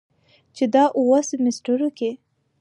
چې دا اووه سميسترو کې